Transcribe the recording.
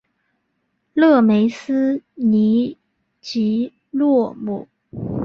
勒梅斯尼吉洛姆。